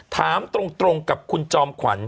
ถามตรงกับคุณจอมขวัญ